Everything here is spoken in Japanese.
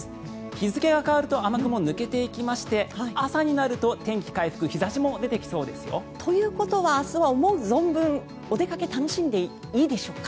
日付が変わると雨雲抜けていきまして朝になると天気回復日差しも出てきそうですよ。ということは明日、思う存分お出かけを楽しんでいいでしょうか？